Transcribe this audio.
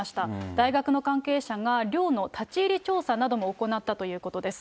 大学の関係者が寮の立ち入り調査なども行ったということです。